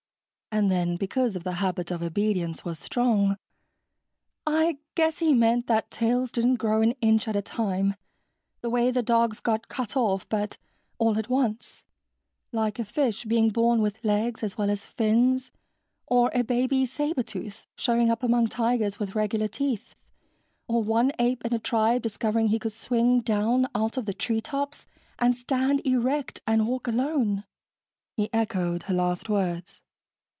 And then, because of the habit of obedience was strong, "I guess he meant that tails didn't grow an inch at a time, the way the dog's got cut off, but all at once ... like a fish being born with legs as well as fins, or a baby saber tooth showing up among tigers with regular teeth, or one ape in a tribe discovering he could swing down out of the treetops and stand erect and walk alone." He echoed her last words.